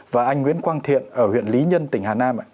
và anh nguyễn quang thiện ở huyện lý nhân tỉnh hà nam